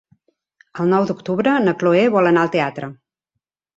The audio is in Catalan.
El nou d'octubre na Chloé vol anar al teatre.